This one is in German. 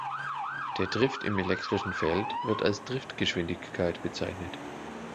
Der Drift im elektrischen Feld wird als Driftgeschwindigkeit bezeichnet.